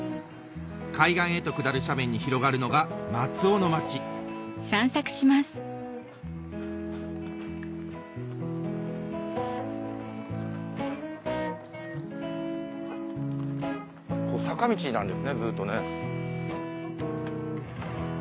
海岸へと下る斜面に広がるのが松尾の町坂道なんですねずっとね。